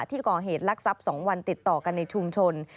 ที่ก่อเหตุลักษัพ๒วันติดต่อกันในชุมชน